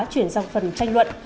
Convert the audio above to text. chuyển sang phần tranh luận